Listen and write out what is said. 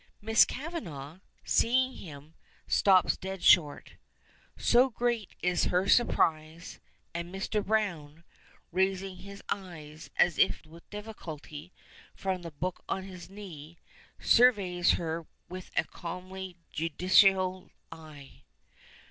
Miss Kavanagh, seeing him, stops dead short, so great is her surprise, and Mr. Browne, raising his eyes, as if with difficulty, from the book on his knee, surveys her with a calmly judicial eye.